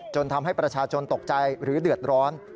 ทำให้ประชาชนตกใจหรือเดือดร้อน